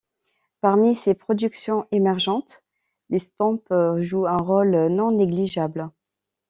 Parmi ces productions émergentes, l'estampe joue un rôle non négligeable.